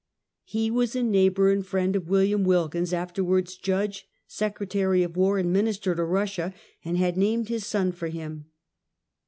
He was a neighbor and friend of Wm. Wilkins, afterwards Judge, Secre tary of "War, and Minister to Russia, and had named his son for him.